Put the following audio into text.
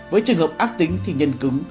với trường hợp ác tính thì nhân cứng